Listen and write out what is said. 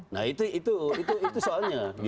nah itu soalnya